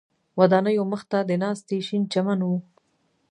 ودانیو مخ ته د ناستي شین چمن و.